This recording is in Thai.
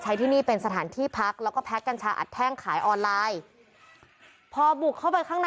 ใช้ที่นี่เป็นสถานที่พักและแพลกกัญชาอดแท่งขายออนไลน์